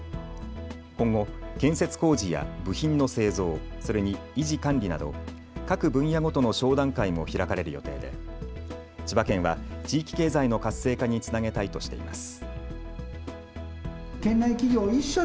今後、建設工事や部品の製造、それに維持管理など各分野ごとの商談会も開かれる予定で千葉県は地域経済の活性化につなげたいとしています。